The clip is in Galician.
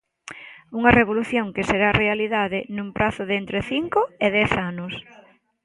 Unha revolución que será realidade nun prazo de entre cinco e dez anos.